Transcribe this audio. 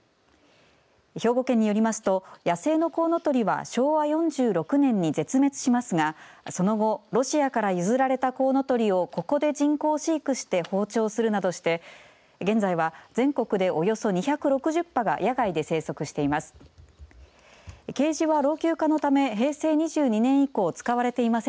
兵庫県によりますと野生のコウノトリは昭和４６年に絶滅しますがその後、ロシアから譲られたコウノトリをここで人工飼育して放鳥するなどして現在は全国でおよそ２６０羽が野外で生息しています。